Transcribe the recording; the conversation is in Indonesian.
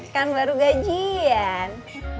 kan baru gajian